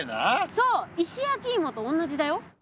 そう石焼きいもとおんなじだよ。